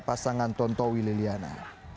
pasangan tontowi dan deliana